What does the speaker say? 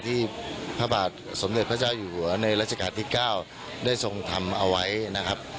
ที่พระบาทสมเด็จพระเจ้าอยู่หัวในรัชกาลที่๙ได้ทรงทำเอาไว้นะครับ